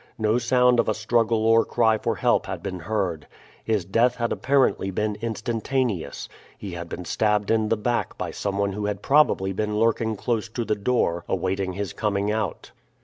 No sound of a struggle or cry for help had been heard. His death had apparently been instantaneous. He had been stabbed in the back by some one who had probably been lurking close to the door awaiting his coming out.